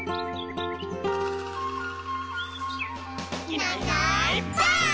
「いないいないばあっ！」